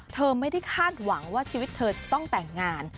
เธอไม่ได้คาดหวังว่าชีวิตเธอจะต้องแต่งงาน